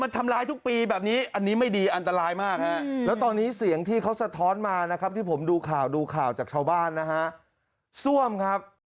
ทำร้ายทุกปีแบบนี้อันนี้ไม่ดีอันตรายมากฮะแล้วตอนนี้เสียงที่เขาสะท้อนมานะครับที่ผมดูข่าวดูข่าวจากชาวบ้านนะฮะซ่วมครับ